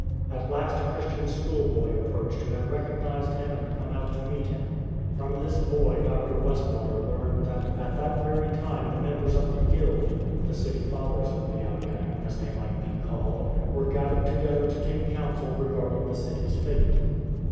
At last a Christian schoolboy approached who had recog nized him and come out to meet him. From this boy Dr. Westwater learned that at that very time the members of the Guild — the City Fathers of Liao yang, as they might be called — were gathered together to take counsel regard ing the city's fate.